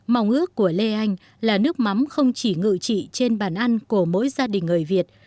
mong ước của lê anh là nước mắm không chỉ ngự trị trên bàn ăn của mỗi gia đình người việt